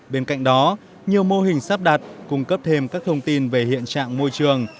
bên cạnh đó nhiều mô hình sắp đặt cung cấp thêm các thông tin về hiện trạng môi trường